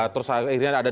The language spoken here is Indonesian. terus akhirnya ada